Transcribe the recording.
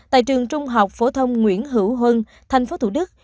tại trường trung học phổ thông nguyễn hữu huân thành phố thủ đức